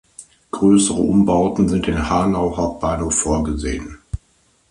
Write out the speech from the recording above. Größere Umbauten sind in Hanau Hauptbahnhof vorgesehen.